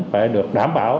phải được đảm bảo